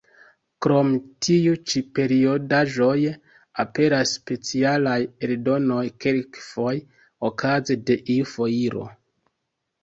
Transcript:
Krom tiu ĉi periodaĵoj, aperas specialaj eldonoj, kelkfoje okaze de iu foiro.